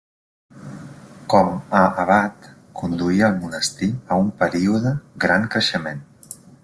Com a abat conduí el monestir a un període gran creixement.